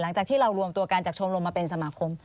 หลังจากที่เรารวมตัวกันจากชมรมมาเป็นสมาคม